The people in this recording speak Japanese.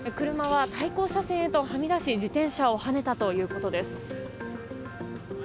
車は対向車線へとはみだし自転車をはねたということです。